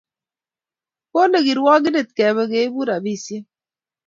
kole kirwngindet kebe kiibu rabisiek